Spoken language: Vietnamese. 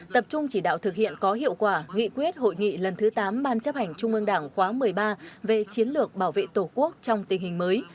tập trung chỉ đạo thực hiện có hiệu quả nghị quyết hội nghị lần thứ tám ban chấp hành trung ương đảng khóa một mươi ba về chiến lược bảo vệ tổ quốc trong tình hình mới